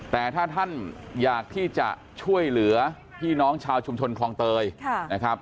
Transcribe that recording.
แต่ถ้าท่านอยากที่จะช่วยเหลือพี่น้องชาวชุมชนคลองเตยนะครับ